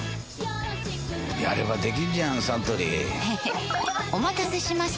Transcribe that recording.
やればできんじゃんサントリーへへっお待たせしました！